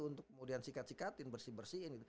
untuk kemudian sikat sikatin bersihin bersihin